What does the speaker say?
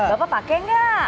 bapak pakai nggak